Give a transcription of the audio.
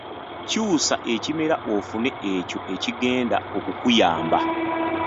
Kyusa ekimera ofune ekyo ekigenda okukuyamba.